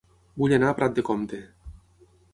Vull anar a Prat de Comte